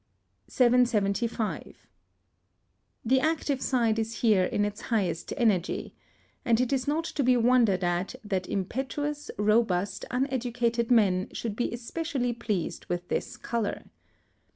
775, The active side is here in its highest energy, and it is not to be wondered at that impetuous, robust, uneducated men, should be especially pleased with this colour.